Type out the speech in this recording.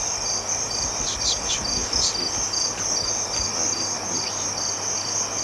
Les sources mentionnent des fossés, tours, murailles et pont-levis.